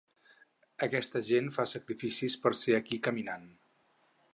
Aquesta gent fa sacrificis per ser aquí caminant.